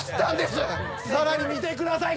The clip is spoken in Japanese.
さらに見てください。